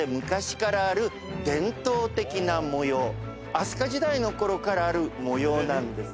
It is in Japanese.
飛鳥時代のころからある模様なんです。